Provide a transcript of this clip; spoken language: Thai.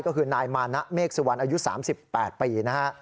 ก็คือนายมานะเมฆสุวรรณอายุ๓๘ปีนะฮะ